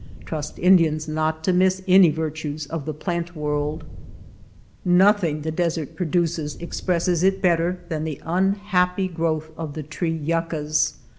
Trust Indians not to miss any virtues of the plant world ! Nothing the desert produces expresses it better than the unhappy growth of the lO THE LAND OF LITTLE RAIN tree yuccas.